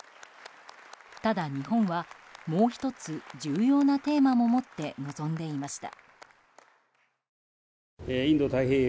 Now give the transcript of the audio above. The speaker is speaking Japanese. ただ、日本はもう１つ重要なテーマも持って臨んでいました。